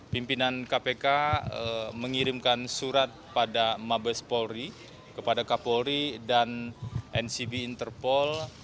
pimpinan kpk mengirimkan surat pada mabes polri kepada kapolri dan ncb interpol